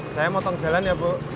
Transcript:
saya mau tong jalan ya bu